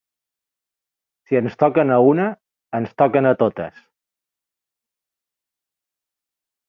Si ens toquen a una, ens toquen a totes.